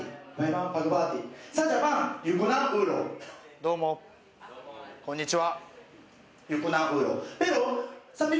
どうもこんにちは。